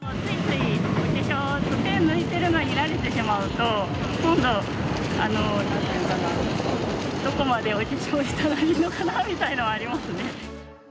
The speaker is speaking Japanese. ついつい、お化粧を手を抜いてるのに慣れてしまうと、今度、どこまでお化粧したらいいのかなみたいなのはありますね。